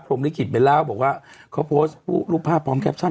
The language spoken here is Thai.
ลิขิตไปเล่าบอกว่าเขาโพสต์รูปภาพพร้อมแคปชั่น